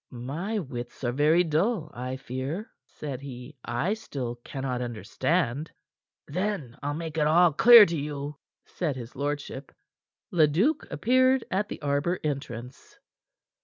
"My wits are very dull, I fear," said he. "I still cannot understand." "Then I'll make it all clear to you," said his lordship. Leduc appeared at the arbor entrance.